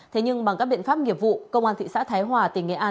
thế nhưng bằng các biện pháp nghiệp vụ công an thị xã thái hòa tỉnh nghệ an